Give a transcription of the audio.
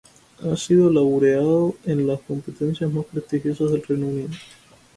Ha sido laureado en las competencias más prestigiosas del Reino Unido.